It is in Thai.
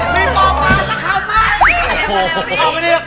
พี่ป๊อปมาแล้วสั่งของ้า